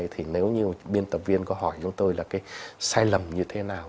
thì nếu như biên tập viên có hỏi chúng tôi là cái sai lầm như thế nào